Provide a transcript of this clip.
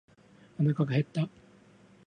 おなかが減った。